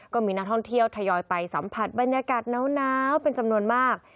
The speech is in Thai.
ก็มีนักท่องเที่ยวทยอยไปสัมผัสบรรยากาศน้าวเป็นจำนวนมาก